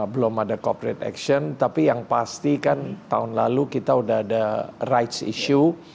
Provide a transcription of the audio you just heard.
belum ada corporate action tapi yang pasti kan tahun lalu kita sudah ada rights issue